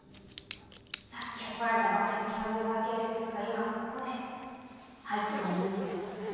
さっき怒られたばかりで気まずい関係性ですが今ここで入ってもいいですか？